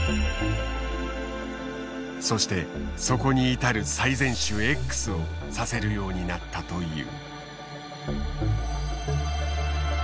そしてそこに至る最善手Ｘを指せるようになったという。